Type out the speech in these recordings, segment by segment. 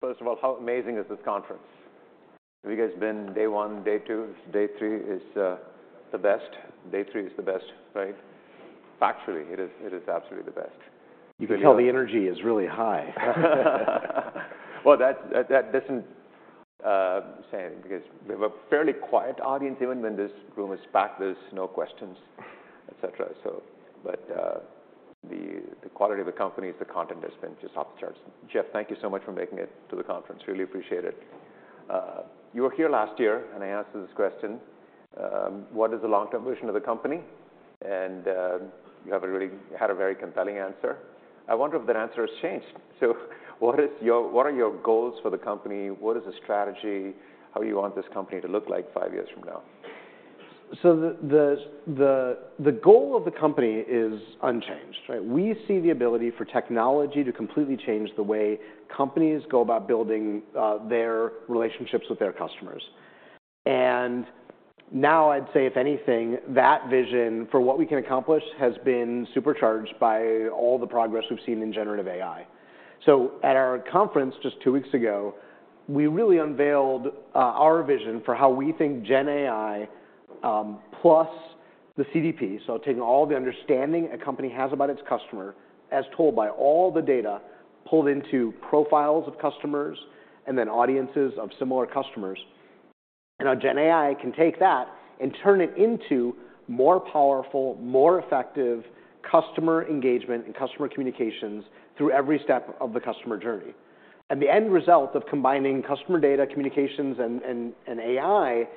First of all, how amazing is this conference? Have you guys been day one, day two? Day three is the best. Day three is the best, right? Factually, it is, it is absolutely the best. You can tell the energy is really high. Well, that doesn't say anything because we have a fairly quiet audience. Even when this room is packed, there's no questions, et cetera, so... But, the quality of the company is the content has been just off the charts. Jeff, thank you so much for making it to the conference. Really appreciate it. You were here last year, and I asked you this question: What is the long-term vision of the company? And, you have a really—had a very compelling answer. I wonder if that answer has changed. So what is your—what are your goals for the company? What is the strategy? How you want this company to look like five years from now? So the goal of the company is unchanged, right? We see the ability for technology to completely change the way companies go about building their relationships with their customers. And now, I'd say, if anything, that vision for what we can accomplish has been supercharged by all the progress we've seen in generative AI. So at our conference, just two weeks ago, we really unveiled our vision for how we think Gen AI plus the CDP. So taking all the understanding a company has about its customer, as told by all the data, pulled into profiles of customers and then audiences of similar customers. And now, Gen AI can take that and turn it into more powerful, more effective customer engagement and customer communications through every step of the customer journey. The end result of combining customer data, communications, and AI,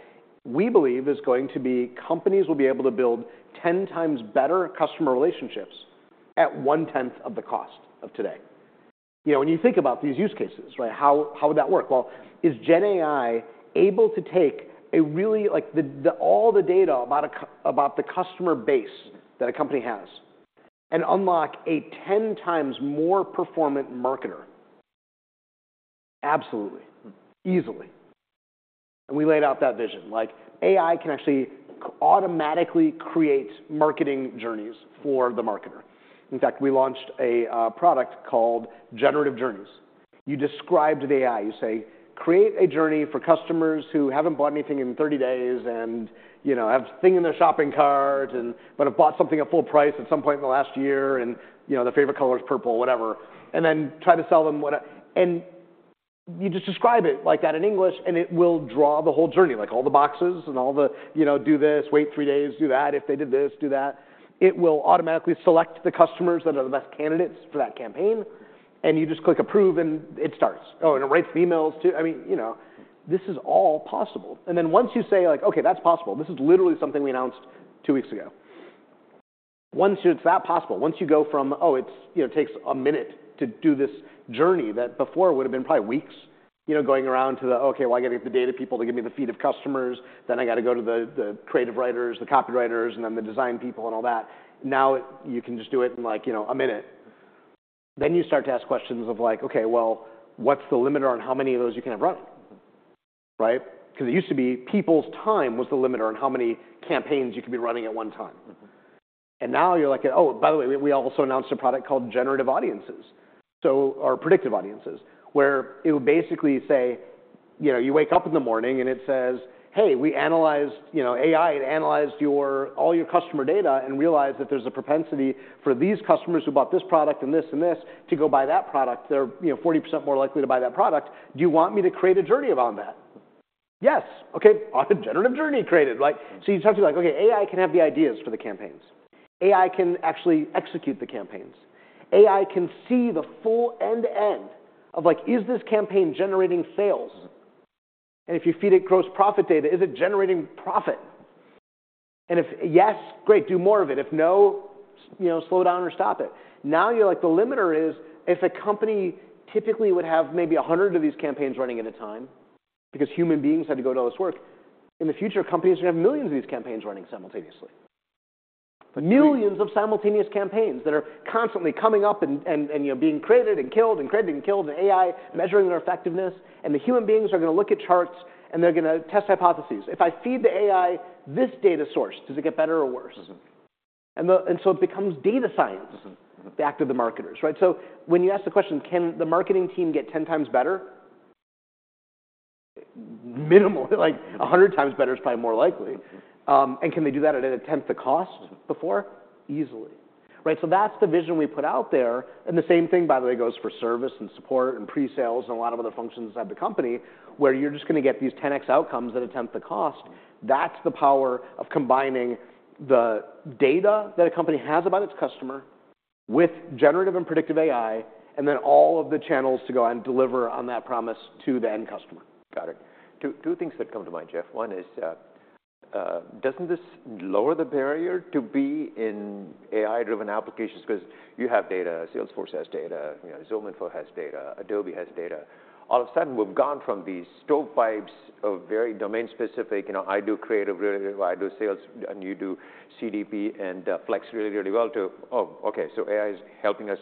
we believe, is going to be companies will be able to build 10x better customer relationships at one-tenth of the cost of today. You know, when you think about these use cases, right, how would that work? Well, is Gen AI able to take a really... Like, all the data about the customer base that a company has, and unlock a 10x more performant marketer? Absolutely. Easily. We laid out that vision. Like, AI can actually automatically create marketing journeys for the marketer. In fact, we launched a product called Generative Journeys. You describe to the AI, you say, "Create a journey for customers who haven't bought anything in 30 days and, you know, have things in their shopping cart, and but have bought something at full price at some point in the last year, and, you know, their favorite color is purple, whatever. And then try to sell them what-" And you just describe it like that in English, and it will draw the whole journey, like all the boxes and all the, you know, do this, wait 3 days, do that. If they did this, do that. It will automatically select the customers that are the best candidates for that campaign, and you just click approve, and it starts. Oh, and it writes the emails, too. I mean, you know, this is all possible. And then once you say, like, "Okay, that's possible," this is literally something we announced two weeks ago. Once it's that possible, once you go from, oh, it's, you know, takes a minute to do this journey, that before would have been probably weeks, you know, going around to the, "Okay, well, I gotta get the data people to give me the feed of customers. Then I gotta go to the, the creative writers, the copywriters, and then the design people, and all that." Now, you can just do it in, like, you know, a minute. Then you start to ask questions of like, okay, well, what's the limiter on how many of those you can have running, right? Because it used to be people's time was the limiter on how many campaigns you could be running at one time. And now you're like, oh, by the way, we, we also announced a product called Generative Audiences, so or Predictive Audiences, where it would basically say... You know, you wake up in the morning, and it says, "Hey, we analyzed, you know, AI had analyzed your, all your customer data and realized that there's a propensity for these customers who bought this product, and this, and this, to go buy that product. They're, you know, 40% more likely to buy that product. Do you want me to create a journey around that?" "Yes." "Okay, on the Generative Journey created." Like, so you talk to me like, okay, AI can have the ideas for the campaigns. AI can actually execute the campaigns. AI can see the full end-to-end end of, like, is this campaign generating sales? And if you feed it gross profit data, is it generating profit? And if yes, great, do more of it. If no, you know, slow down or stop it. Now, you're like, the limiter is if a company typically would have maybe 100 of these campaigns running at a time, because human beings had to go do all this work. In the future, companies are gonna have millions of these campaigns running simultaneously. Millions of simultaneous campaigns that are constantly coming up and, you know, being created and killed, and created, and killed, and AI measuring their effectiveness, and the human beings are gonna look at charts, and they're gonna test hypotheses. If I feed the AI this data source, does it get better or worse? So it becomes data science back to the marketers, right? So when you ask the question, can the marketing team get 10x better? Minimally, like, 100x better is probably more likely. And can they do that at a tenth the cost before? Easily. Right, so that's the vision we put out there, and the same thing, by the way, goes for service and support and pre-sales, and a lot of other functions inside the company, where you're just gonna get these 10x outcomes at a tenth the cost. That's the power of combining the data that a company has about its customer with generative and predictive AI, and then all of the channels to go out and deliver on that promise to the end customer. Got it. Two things that come to mind, Jeff. One is, doesn't this lower the barrier to be in AI-driven applications? Because you have data, Salesforce has data, you know, ZoomInfo has data, Adobe has data. All of a sudden, we've gone from these stovepipes of very domain-specific, you know, I do creative, I do sales, and you do CDP and, Flex really, really well to, oh, okay, so AI is helping us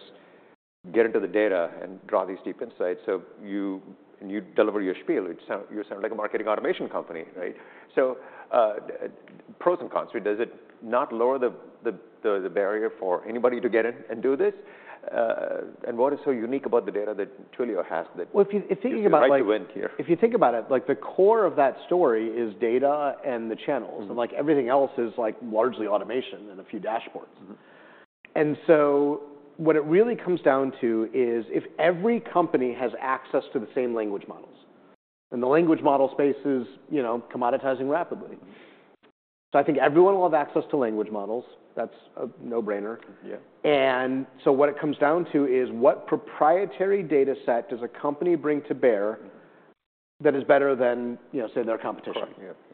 get into the data and draw these deep insights. So you, and you deliver your spiel. You sound like a marketing automation company, right? So, pros and cons, does it not lower the barrier for anybody to get in and do this?... and what is so unique about the data that Twilio has that- Well, if you, if you think about like- You're right to win here. If you think about it, like, the core of that story is data and the channels. Like, everything else is, like, largely automation and a few dashboards. And so what it really comes down to is if every company has access to the same language models, and the language model space is, you know, commoditizing rapidly. So I think everyone will have access to language models, that's a no-brainer. Yeah. And so what it comes down to is, what proprietary data set does a company bring to bear that is better than, you know, say, their competition? Correct, yeah.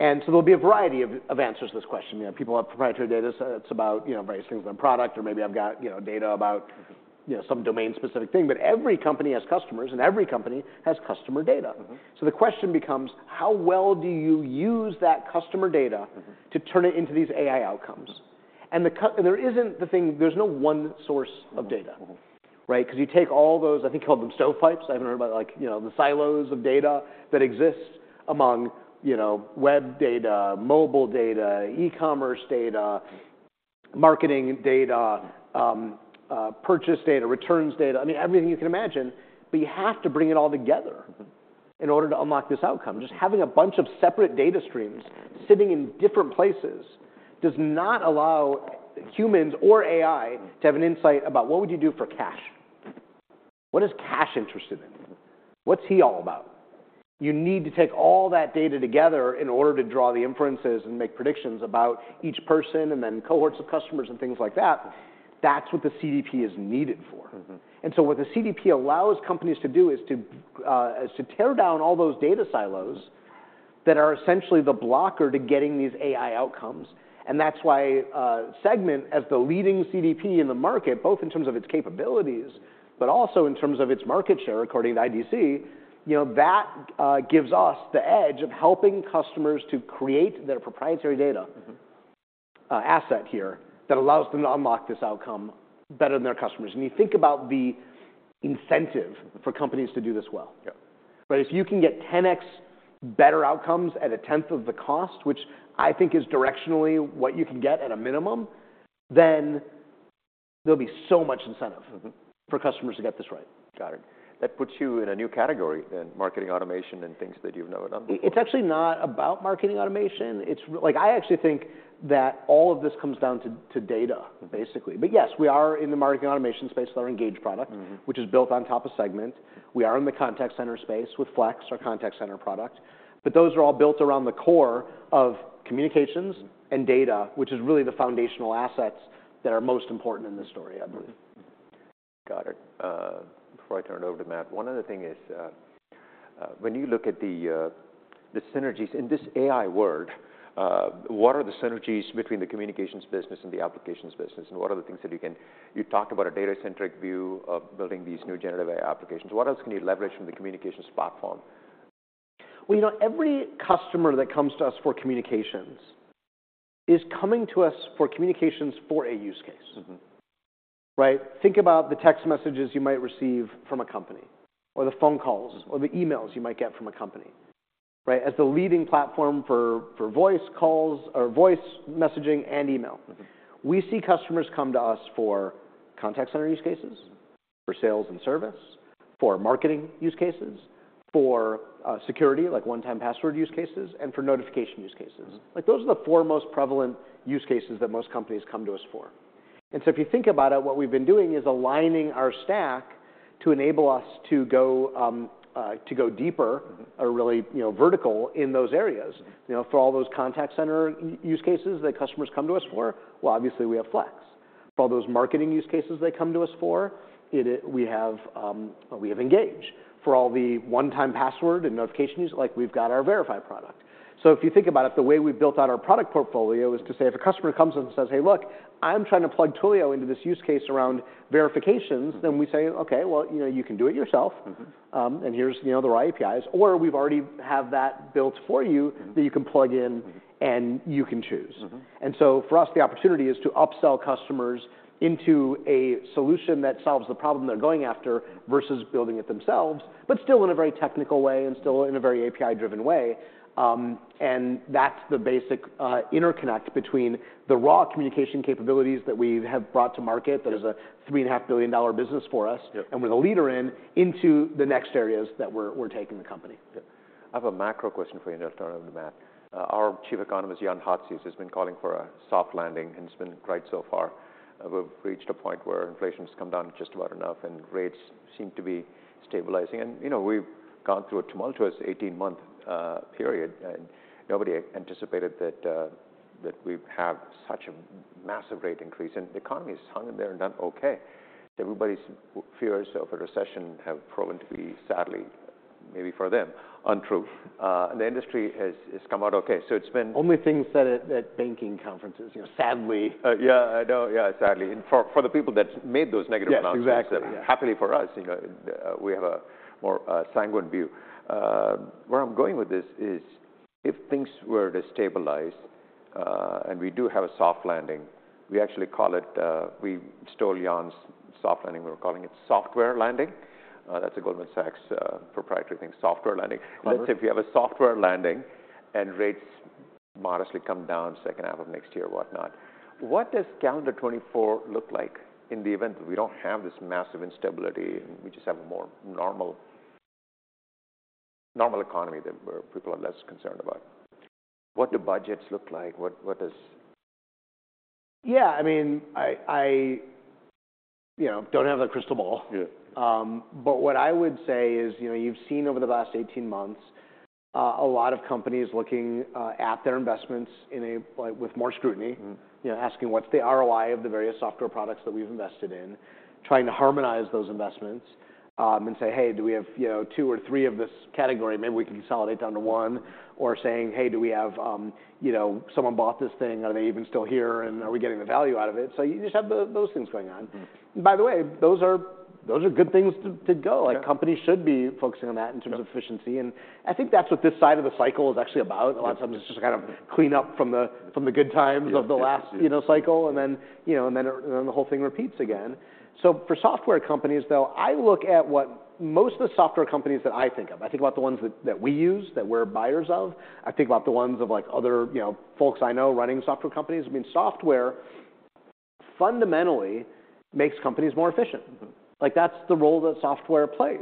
There'll be a variety of answers to this question. You know, people have proprietary data set, it's about, you know, various things about product, or maybe I've got, you know, data about you know, some domain-specific thing. But every company has customers, and every company has customer data. So the question becomes, how well do you use that customer data to turn it into these AI outcomes? There isn't the thing. There's no one source of data. Right? 'Cause you take all those, I think, called them stovepipes. I haven't heard about, like, you know, the silos of data that exist among, you know, web data, mobile data, e-commerce data, marketing data, purchase data, returns data, I mean, everything you can imagine, but you have to bring it all together in order to unlock this outcome. Just having a bunch of separate data streams sitting in different places does not allow humans or AI to have an insight about what would you do for Kash? What is Kash interested in? What's he all about? You need to take all that data together in order to draw the inferences and make predictions about each person, and then cohorts of customers, and things like that. That's what the CDP is needed for. And so what the CDP allows companies to do is to tear down all those data silos that are essentially the blocker to getting these AI outcomes, and that's why Segment, as the leading CDP in the market, both in terms of its capabilities, but also in terms of its market share, according to IDC, you know, that gives us the edge of helping customers to create their proprietary data asset here, that allows them to unlock this outcome better than their customers. When you think about the incentive for companies to do this well. But if you can get 10x better outcomes at a tenth of the cost, which I think is directionally what you can get at a minimum, then there'll be so much incentive for customers to get this right. Got it. That puts you in a new category in marketing automation and things that you've noted on before. It's actually not about marketing automation. It's like, I actually think that all of this comes down to data, basically. But yes, we are in the marketing automation space with our Engage product which is built on top of Segment. We are in the contact center space with Flex, our contact center product. But those are all built around the core of communications and data, which is really the foundational assets that are most important in this story, I believe. Got it. Before I turn it over to Matt, one other thing is, when you look at the synergies in this AI world, what are the synergies between the communications business and the applications business, and what are the things that you can, you talked about a data-centric view of building these new generative AI applications. What else can you leverage from the communications platform? Well, you know, every customer that comes to us for communications is coming to us for communications for a use case. Right? Think about the text messages you might receive from a company, or the phone calls, or the emails you might get from a company, right? As the leading platform for voice calls or voice messaging and email we see customers come to us for contact center use cases, for sales and service, for marketing use cases, for security, like one-time password use cases, and for notification use cases. Like, those are the four most prevalent use cases that most companies come to us for. So if you think about it, what we've been doing is aligning our stack to enable us to go deeper- or really, you know, vertical in those areas. You know, for all those contact center use cases that customers come to us for, well, obviously, we have Flex. For all those marketing use cases they come to us for, we have, we have Engage. For all the one-time password and notification use, like, we've got our Verify product. So if you think about it, the way we've built out our product portfolio is to say, if a customer comes in and says, "Hey, look, I'm trying to plug Twilio into this use case around verifications," then we say, "Okay, well, you know, you can do it yourself. Here's, you know, the right APIs, or we've already have that built for you that you can plug in and you can choose." And so for us, the opportunity is to upsell customers into a solution that solves the problem they're going after, versus building it themselves, but still in a very technical way and still in a very API-driven way. And that's the basic interconnect between the raw communication capabilities that we have brought to market that is a $3.5 billion-dollar business for us and we're the leader into the next areas that we're taking the company. Yeah. I have a macro question for you before I turn it over to Matt. Our Chief Economist, Jan Hatzius, has been calling for a soft landing, and it's been right so far. We've reached a point where inflation's come down just about enough, and rates seem to be stabilizing. You know, we've gone through a tumultuous 18-month period, and nobody anticipated that we'd have such a massive rate increase, and the economy has hung in there and done okay. Everybody's fears of a recession have proven to be, sadly, maybe for them, untrue. The industry has come out okay. So it's been- Only thing said at banking conferences, you know, sadly. Yeah, I know. Yeah, sadly. And for the people that made those negative announcements, happily for us, you know, we have a more, sanguine view. Where I'm going with this is, if things were to stabilize, and we do have a soft landing, we actually call it, we stole Jan's soft landing. We're calling it Software Landing. That's a Goldman Sachs proprietary thing, Software Landing. Let's say if you have a Software Landing and rates modestly come down second half of next year, whatnot. What does calendar 2024 look like in the event that we don't have this massive instability, and we just have a more normal, normal economy that where people are less concerned about? What do budgets look like? What, what does- Yeah, I mean, you know, don't have a crystal ball. But what I would say is, you know, you've seen over the last 18 months, a lot of companies looking at their investments in a like with more scrutiny. You know, asking what's the ROI of the various software products that we've invested in? Trying to harmonize those investments, and say: Hey, do we have, you know, two or three of this category? Maybe we can consolidate down to one. Or saying: Hey, do we have, you know, someone bought this thing, are they even still here, and are we getting the value out of it? So you just have the, those things going on. By the way, those are good things to go. Like, companies should be focusing on that in terms of efficiency, and I think that's what this side of the cycle is actually about. A lot of times, it's just to kind of clean up from the good times of the last, you know, cycle, and then, you know, the whole thing repeats again. So for software companies, though, I look at what most of the software companies that I think of. I think about the ones that we use, that we're buyers of. I mean, software fundamentally makes companies more efficient. Like, that's the role that software plays.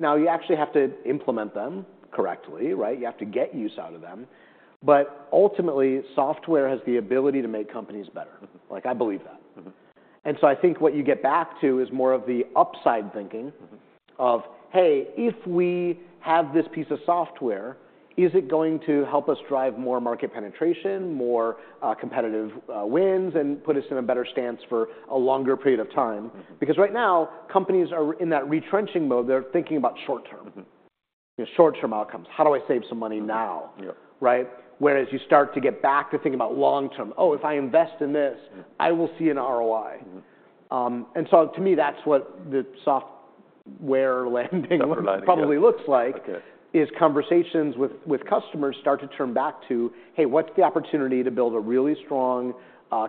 Now, you actually have to implement them correctly, right? You have to get use out of them, but ultimately, software has the ability to make companies better. Like, I believe that. I think what you get back to is more of the upside thinking of, "Hey, if we have this piece of software, is it going to help us drive more market penetration, more, competitive, wins, and put us in a better stance for a longer period of time? Because right now, companies are in that retrenching mode. They're thinking about short-term outcomes. How do I save some money now? Right? Whereas you start to get back to thinking about long-term, "Oh, if I invest in this, I will see an ROI. And so to me, that's what the Software Landing probably looks like. As conversations with customers start to turn back to, "Hey, what's the opportunity to build a really strong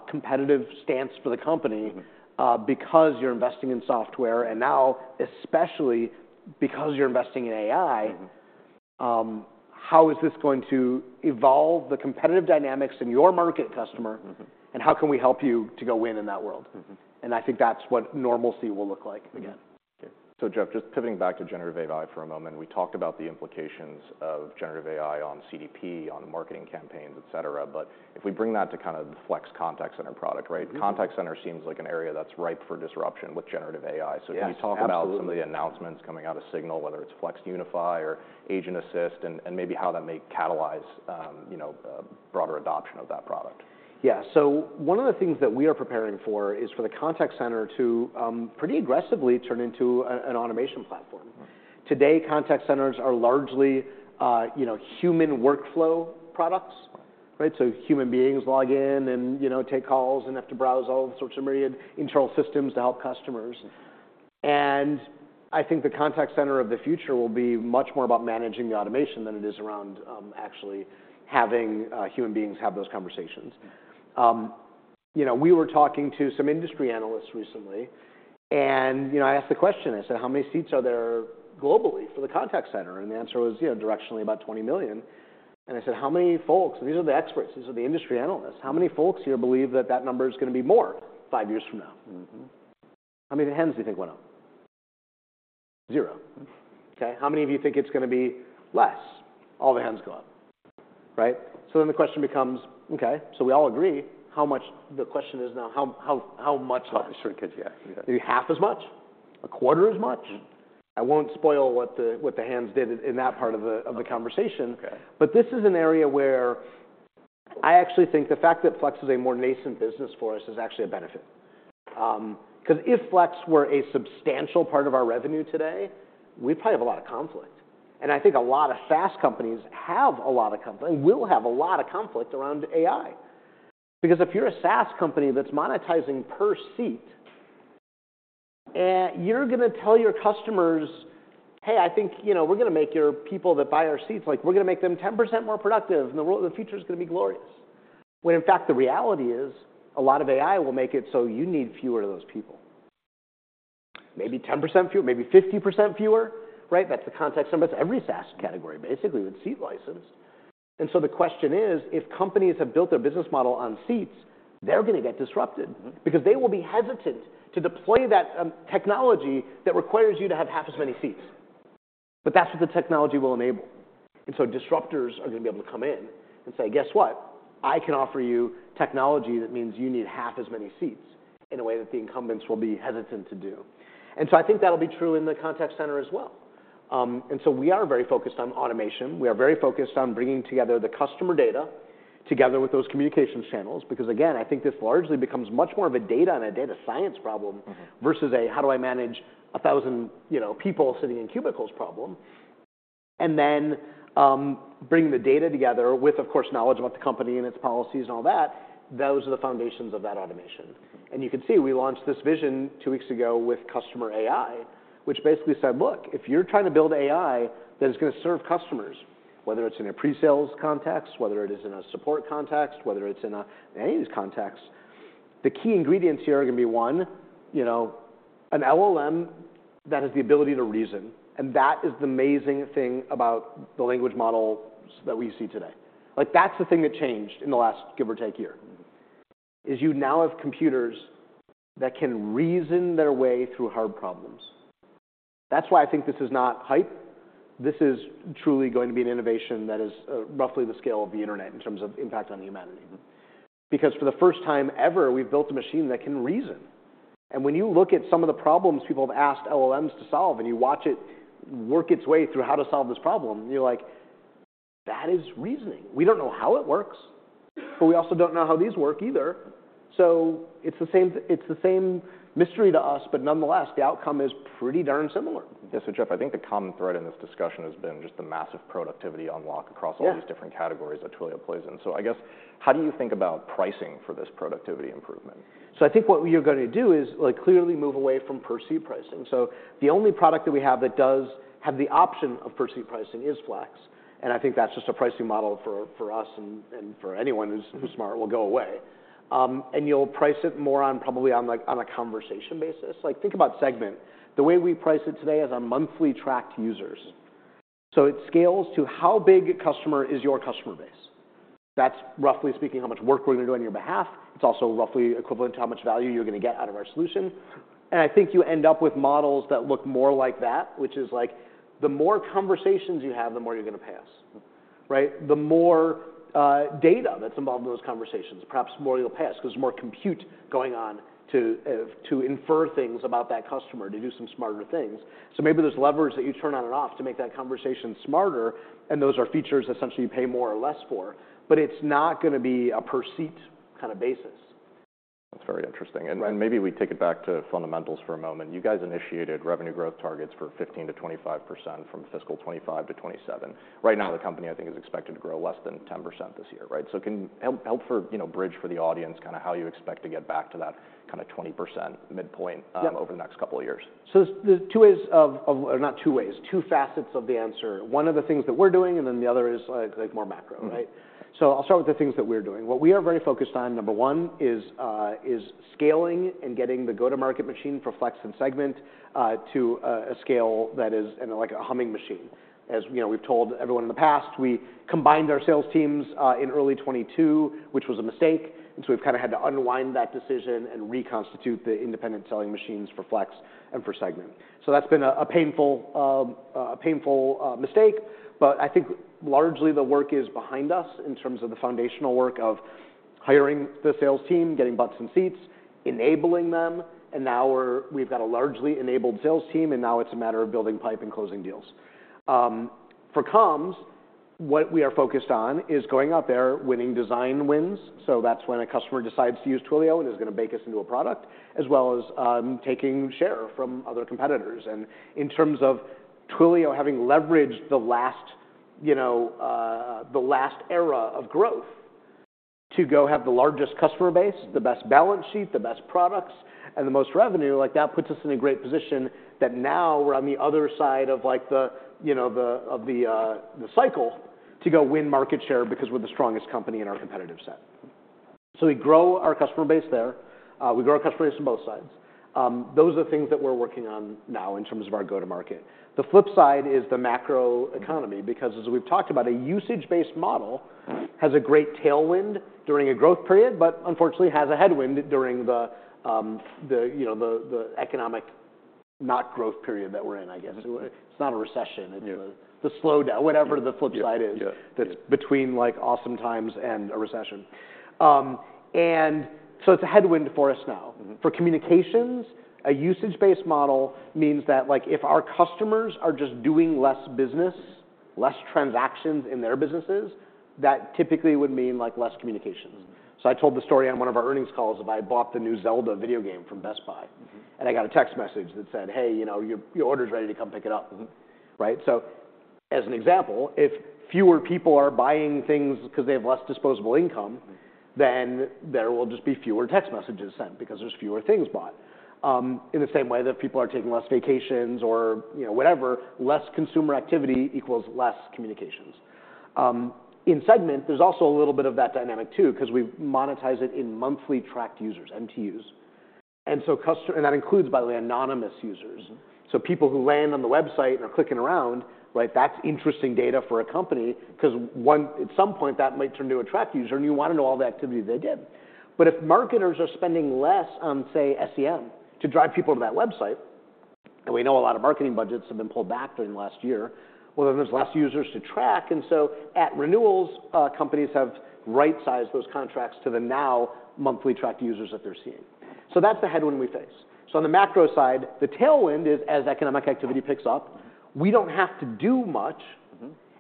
competitive stance for the company because you're investing in software, and now especially because you're investing in AI, how is this going to evolve the competitive dynamics in your market, customer? How can we help you to go win in that world? I think that's what normalcy will look like again. Yeah. Okay. So Jeff, just pivoting back to Generative AI for a moment, we talked about the implications of Generative AI on CDP, on marketing campaigns, etc., but if we bring that to kind of the Flex contact center product, right? Contact center seems like an area that's ripe for disruption with generative AI. Yes, absolutely. So can you talk about some of the announcements coming out of SIGNAL, whether it's Flex Unify or Agent Assist, and maybe how that may catalyze, you know, broader adoption of that product? Yeah. So one of the things that we are preparing for is for the contact center to pretty aggressively turn into a, an automation platform. Today, contact centers are largely, you know, human workflow products, right? So human beings log in and, you know, take calls and have to browse all sorts of myriad internal systems to help customers. I think the contact center of the future will be much more about managing the automation than it is around actually having human beings have those conversations. You know, we were talking to some industry analysts recently, and, you know, I asked the question, I said: "How many seats are there globally for the contact center?" And the answer was, you know, directionally, about 20 million. And I said, "How many folks..." These are the experts. These are the industry analysts. How many folks here believe that number is gonna be more five years from now? How many hands do you think went up?" Zero. Okay, how many of you think it's gonna be less?" All the hands go up, right? So then the question becomes, okay, so we all agree, how much... The question is now, how, how, how much less? How much, sure, yeah. Half as much? A quarter as much? I won't spoil what the hands did in that part of the of the conversation. But this is an area where I actually think the fact that Flex is a more nascent business for us is actually a benefit. 'Cause if Flex were a substantial part of our revenue today, we'd probably have a lot of conflict. And I think a lot of SaaS companies have a lot of conflict, will have a lot of conflict around AI. Because if you're a SaaS company that's monetizing per seat, and you're gonna tell your customers, "Hey, I think, you know, we're gonna make your people that buy our seats, like, we're gonna make them 10% more productive, and the world, the future is gonna be glorious." When in fact, the reality is, a lot of AI will make it so you need fewer of those people. Maybe 10% fewer, maybe 50% fewer, right? That's the contact center. That's every SaaS category, basically, with seat license. And so the question is, if companies have built their business model on seats, they're gonna get disrupted because they will be hesitant to deploy that, technology that requires you to have half as many seats. But that's what the technology will enable. And so disruptors are gonna be able to come in and say, "Guess what? I can offer you technology that means you need half as many seats," in a way that the incumbents will be hesitant to do. And so I think that'll be true in the contact center as well. And so we are very focused on automation. We are very focused on bringing together the customer data together with those communications channels, because, again, I think this largely becomes much more of a data and a data science problem versus a how do I manage a thousand, you know, people sitting in cubicles problem, and then, bringing the data together with, of course, knowledge about the company and its policies and all that, those are the foundations of that automation. And you can see, we launched this vision two weeks ago with CustomerAI, which basically said, "Look, if you're trying to build AI that is gonna serve customers, whether it's in a pre-sales context, whether it is in a support context, whether it's in any of these contexts-" The key ingredients here are going to be, one, you know, an LLM that has the ability to reason, and that is the amazing thing about the language models that we see today. Like, that's the thing that changed in the last give or take year, is you now have computers that can reason their way through hard problems. That's why I think this is not hype. This is truly going to be an innovation that is, roughly the scale of the internet in terms of impact on humanity. Because for the first time ever, we've built a machine that can reason, and when you look at some of the problems people have asked LLMs to solve, and you watch it work its way through how to solve this problem, you're like, "That is reasoning." We don't know how it works, but we also don't know how these work either. So it's the same, it's the same mystery to us, but nonetheless, the outcome is pretty darn similar. Yeah. So, Jeff, I think the common thread in this discussion has been just the massive productivity unlock across all these different categories that Twilio plays in. So I guess, how do you think about pricing for this productivity improvement? I think what you're going to do is, like, clearly move away from per seat pricing. The only product that we have that does have the option of per seat pricing is Flex, and I think that's just a pricing model for us and for anyone who's smart will go away. And you'll price it more on, probably on a conversation basis. Like, think about Segment. The way we price it today is on monthly tracked users. It scales to how big a customer is your customer base. That's roughly speaking, how much work we're going to do on your behalf. It's also roughly equivalent to how much value you're going to get out of our solution, and I think you end up with models that look more like that, which is like, the more conversations you have, the more you're going to pay us. Right? The more data that's involved in those conversations, perhaps the more you'll pay us, 'cause there's more compute going on to, to infer things about that customer, to do some smarter things. So maybe there's levers that you turn on and off to make that conversation smarter, and those are features essentially, you pay more or less for, but it's not going to be a per-seat kind of basis. That's very interesting, and maybe we take it back to fundamentals for a moment. You guys initiated revenue growth targets for 15%-25% from fiscal 2025 to 2027. Right now, the company, I think, is expected to grow less than 10% this year, right? So can you help, you know, bridge for the audience, kind of how you expect to get back to that kind of 20% midpoint over the next couple of years. So there's two ways of... Not two ways, two facets of the answer. One of the things that we're doing, and then the other is, like, more macro, right? So I'll start with the things that we're doing. What we are very focused on, number one, is scaling and getting the go-to-market machine for Flex and Segment to a scale that is like a humming machine. As you know, we've told everyone in the past, we combined our sales teams in early 2022, which was a mistake, and so we've kind of had to unwind that decision and reconstitute the independent selling machines for Flex and for Segment. So that's been a painful mistake, but I think largely the work is behind us in terms of the foundational work of hiring the sales team, getting butts in seats, enabling them, and now we've got a largely enabled sales team, and now it's a matter of building pipe and closing deals. For Comms, what we are focused on is going out there, winning design wins, so that's when a customer decides to use Twilio and is going to bake us into a product, as well as taking share from other competitors. In terms of Twilio having leveraged the last, you know, the last era of growth to go have the largest customer base, the best balance sheet, the best products, and the most revenue, like, that puts us in a great position that now we're on the other side of, like, you know, the cycle to go win market share because we're the strongest company in our competitive set. We grow our customer base there, we grow our customer base on both sides. Those are the things that we're working on now in terms of our go-to-market. The flip side is the macro economy, because as we've talked about, a usage-based model has a great tailwind during a growth period, but unfortunately, has a headwind during the, you know, the economic not growth period that we're in, I guess. It's not a recession it's a, the slowdown, whatever the flip side is that's between, like, awesome times and a recession. And so it's a headwind for us now. For communications, a usage-based model means that, like, if our customers are just doing less business, less transactions in their businesses, that typically would mean, like, less communications. I told the story on one of our earnings calls of I bought the new Zelda video game from Best Buy. I got a text message that said, "Hey, you know, your, your order is ready to come pick it up. Right? So as an example, if fewer people are buying things because they have less disposable income, then there will just be fewer text messages sent because there's fewer things bought. In the same way that people are taking less vacations or, you know, whatever, less consumer activity equals less communications. In Segment, there's also a little bit of that dynamic, too, 'cause we monetize it in monthly tracked users, MTUs. And so customer- and that includes, by the way, anonymous users. So people who land on the website and are clicking around, right, that's interesting data for a company, 'cause, one, at some point, that might turn into a tracked user, and you want to know all the activity they did. But if marketers are spending less on, say, SEM to drive people to that website, and we know a lot of marketing budgets have been pulled back during last year, well, then there's less users to track, and so at renewals, companies have right-sized those contracts to the now monthly tracked users that they're seeing. So that's the headwind we face. So on the macro side, the tailwind is as economic activity picks up we don't have to do much,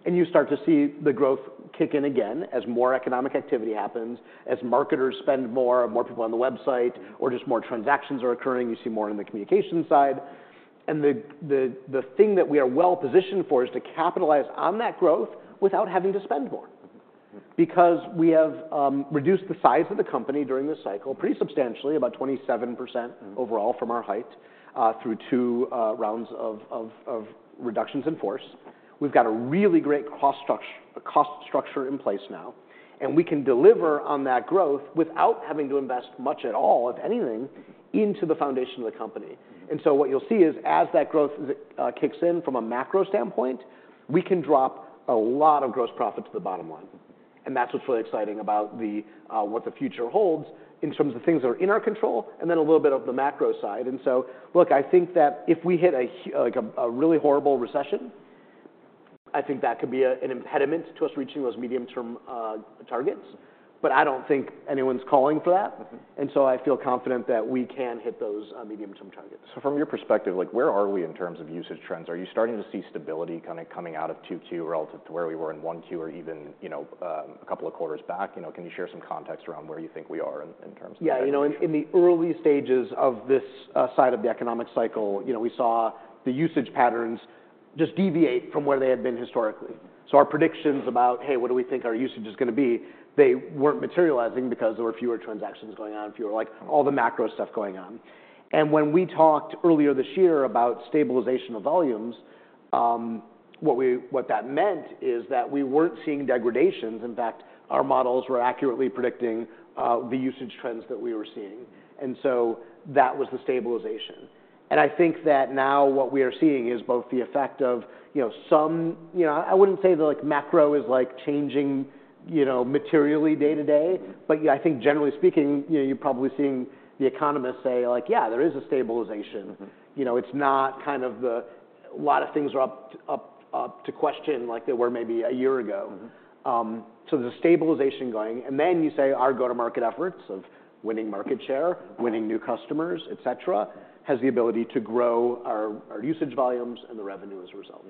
and you start to see the growth kick in again as more economic activity happens, as marketers spend more, more people on the website, or just more transactions are occurring, you see more in the communication side. And the thing that we are well-positioned for is to capitalize on that growth without having to spend more. Because we have reduced the size of the company during this cycle pretty substantially, about 27% overall from our height, through two rounds of reductions in force. We've got a really great cost structure, a cost structure in place now, and we can deliver on that growth without having to invest much at all, if anything, into the foundation of the company. And so what you'll see is, as that growth kicks in from a macro standpoint, we can drop a lot of gross profit to the bottom line, and that's what's really exciting about the what the future holds in terms of things that are in our control, and then a little bit of the macro side. And so, look, I think that if we hit a, a really horrible recession, I think that could be a, an impediment to us reaching those medium-term targets, but I don't think anyone's calling for that, and so I feel confident that we can hit those medium-term targets. So from your perspective, like, where are we in terms of usage trends? Are you starting to see stability kinda coming out of Q2 relative to where we were in Q1 or even, you know, a couple of quarters back? You know, can you share some context around where you think we are in terms of- Yeah, you know, in, in the early stages of this side of the economic cycle, you know, we saw the usage patterns just deviate from where they had been historically. So our predictions about, hey, what do we think our usage is gonna be, they weren't materializing because there were fewer transactions going on, fewer like, all the macro stuff going on. And when we talked earlier this year about stabilization of volumes, what that meant is that we weren't seeing degradations. In fact, our models were accurately predicting the usage trends that we were seeing, and so that was the stabilization. And I think that now what we are seeing is both the effect of, you know, some. You know, I wouldn't say the, like, macro is, like, changing, you know, materially day to day, but, yeah, I think generally speaking, you know, you're probably seeing the economists say, like, "Yeah, there is a stabilization." You know, it's not like a lot of things are up for question like they were maybe a year ago. So there's a stabilization going, and then you say, our go-to-market efforts of winning market share, winning new customers, et cetera, has the ability to grow our usage volumes and the revenue as a result.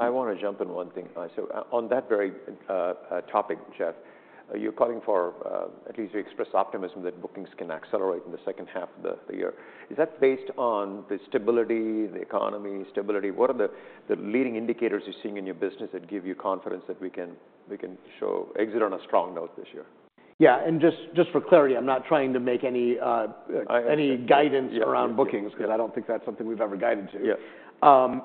I want to jump in one thing. So on that very topic, Jeff, are you calling for at least you expressed optimism that bookings can accelerate in the second half of the year? Is that based on the stability, the economy stability? What are the leading indicators you're seeing in your business that give you confidence that we can show exit on a strong note this year? Yeah, and just, just for clarity, I'm not trying to make any, guidance around bookings 'cause I don't think that's something we've ever guided to.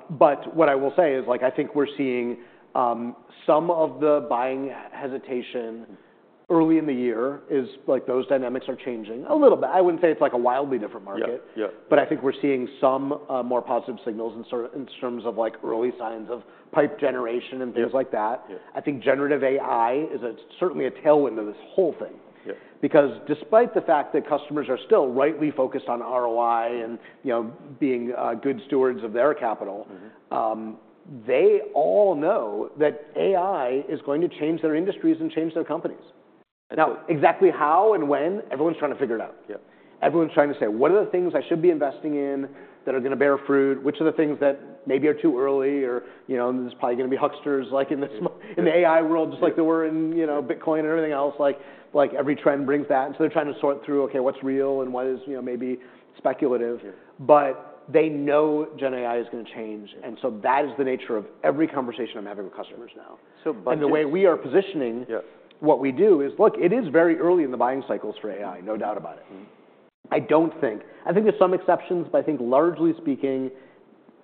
But what I will say is, like, I think we're seeing some of the buying hesitation early in the year is, like, those dynamics are changing a little bit. I wouldn't say it's, like, a wildly different market. Yeah, yeah. I think we're seeing some more positive signals in terms of, like, early signs of pipe generation and things like that. I think Generative AI is certainly a tailwind to this whole thing. Because, despite the fact that customers are still rightly focused on ROI and, you know, being good stewards of their capital, they all know that AI is going to change their industries and change their companies. Now, exactly how and when, everyone's trying to figure it out. Everyone's trying to say, "What are the things I should be investing in that are gonna bear fruit? Which are the things that maybe are too early or, you know, there's probably gonna be hucksters, like, in this in the AI world, just like there were in, you know, Bitcoin and everything else." Like, every trend brings that, and so they're trying to sort through, okay, what's real and what is, you know, maybe speculative? They know gen AI is gonna change, and so that is the nature of every conversation I'm having with customers now. And the way we are positioning. What we do is, look, it is very early in the buying cycles for AI, no doubt about it. I don't think... I think there's some exceptions, but I think largely speaking,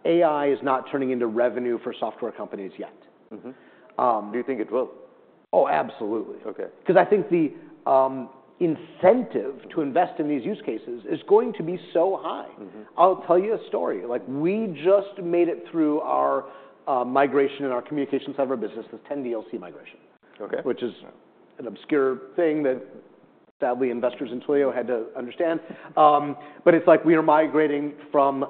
AI is not turning into revenue for software companies yet. Do you think it will? Oh, absolutely. Okay. 'Cause I think the incentive to invest in these use cases is going to be so high. I'll tell you a story. Like, we just made it through our migration in our communication server business, the 10DLC migration, which is an obscure thing that, sadly, investors in Twilio had to understand. But it's like we are migrating from,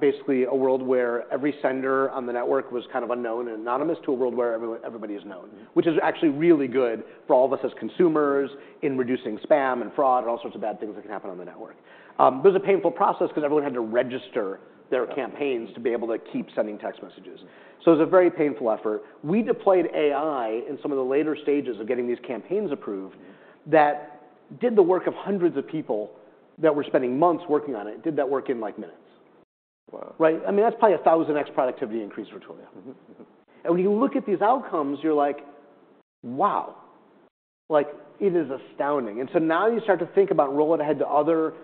basically, a world where every sender on the network was kind of unknown and anonymous, to a world where everybody is known. Which is actually really good for all of us as consumers, in reducing spam and fraud, and all sorts of bad things that can happen on the network. It was a painful process 'cause everyone had to register their campaigns to be able to keep sending text messages, so it was a very painful effort. We deployed AI in some of the later stages of getting these campaigns approved that did the work of hundreds of people that were spending months working on it, did that work in, like, minutes. Right? I mean, that's probably a 1,000x productivity increase for Twilio. And when you look at these outcomes, you're like, "Wow!" Like, it is astounding. And so now you start to think about rolling ahead to other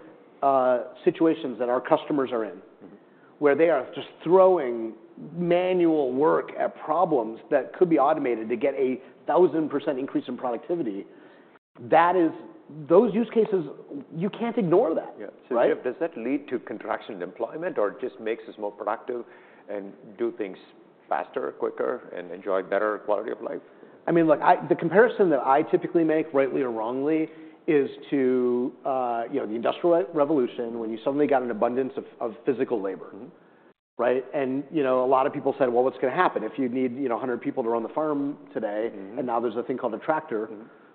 situations that our customers are in where they are just throwing manual work at problems that could be automated to get a 1000% increase in productivity. That is, those use cases, you can't ignore that. Does that lead to contraction in employment, or just makes us more productive and do things faster, quicker, and enjoy better quality of life? I mean, look, the comparison that I typically make, rightly or wrongly, is to, you know, the Industrial Revolution, when you suddenly got an abundance of physical labor. Right? And, you know, a lot of people said, "Well, what's gonna happen if you need, you know, 100 people to run the farm today and now there's a thing called a tractor?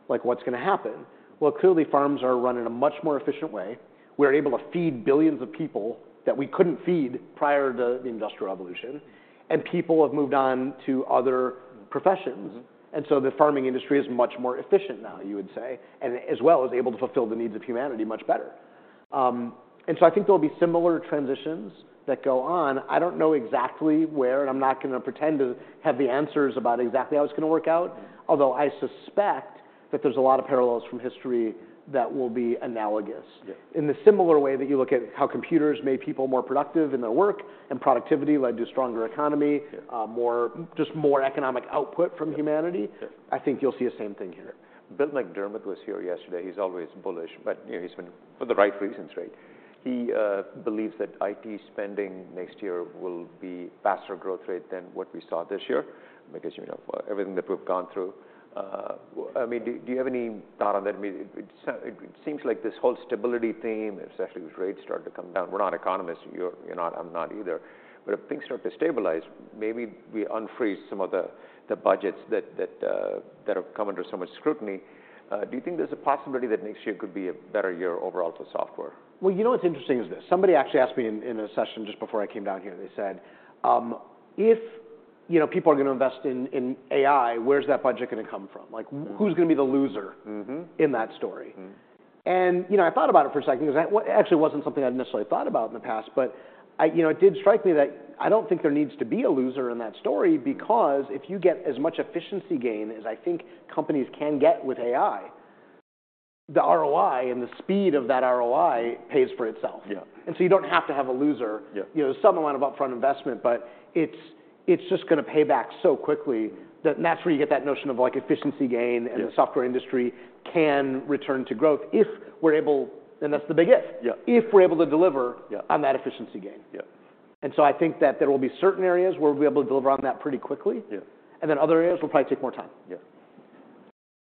Like, what's gonna happen?" Well, clearly, farms are run in a much more efficient way. We're able to feed billions of people that we couldn't feed prior to the Industrial Revolution, and people have moved on to other professions, and so the farming industry is much more efficient now, you would say, and as well as able to fulfill the needs of humanity much better. And so I think there'll be similar transitions that go on. I don't know exactly where, and I'm not gonna pretend to have the answers about exactly how it's gonna work out, although I suspect that there's a lot of parallels from history that will be analogous. In the similar way that you look at how computers made people more productive in their work, and productivity led to stronger economy, just more economic output from humanity I think you'll see the same thing here. Bill McDermott was here yesterday. He's always bullish, but, you know, he's been for the right reasons, right? He believes that IT spending next year will be faster growth rate than what we saw this year. Because, you know, for everything that we've gone through. I mean, do you have any thought on that? I mean, it seems like this whole stability theme, especially with rates starting to come down... We're not economists. You're not, I'm not either. But if things start to stabilize, maybe we unfreeze some of the budgets that have come under so much scrutiny. Do you think there's a possibility that next year could be a better year overall for software? Well, you know what's interesting is this. Somebody actually asked me in a session just before I came down here, they said, "If, you know, people are gonna invest in AI, where's that budget gonna come from? Like, who's gonna be the loser in that story? You know, I thought about it for a second, because that actually wasn't something I'd necessarily thought about in the past. But I... You know, it did strike me that I don't think there needs to be a loser in that story, because if you get as much efficiency gain as I think companies can get with AI, the ROI and the speed of that ROI pays for itself. And so you don't have to have a loser. You know, there's some amount of upfront investment, but it's just gonna pay back so quickly that- and that's where you get that notion of, like, efficiency gain and the software industry can return to growth if we're able, and that's the big if... if we're able to deliver on that efficiency gain. I think that there will be certain areas where we'll be able to deliver on that pretty quickly. Other areas will probably take more time. Yeah.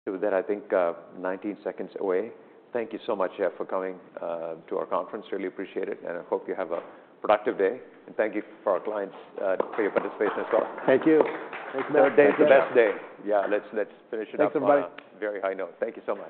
So with that, I think 19 seconds away. Thank you so much, Jeff, for coming to our conference. Really appreciate it, and I hope you have a productive day. Thank you for our clients for your participation as well. Thank you. Thanks, have a nice day. Best day. Yeah, let's, let's finish it up on- Thanks, everybody... a very high note. Thank you so much.